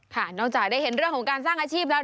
นอกจากได้เห็นเรื่องของการสร้างอาชีพแล้ว